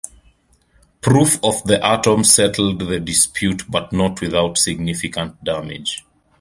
Proof of the atom settled the dispute but not without significant damage.